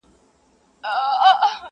o يوه سپي مېچنه څټله، بل ئې کونه څټله٫